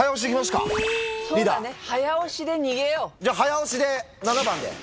じゃ早押しで７番で。